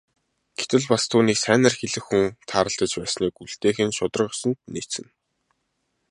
Гэтэл бас түүнийг сайнаар хэлэх хүн тааралдаж байсныг үлдээх нь шударга ёсонд нийцнэ.